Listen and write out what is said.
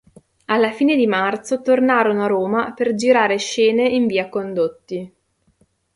Alla fine di marzo tornarono a Roma per girare scene in Via Condotti.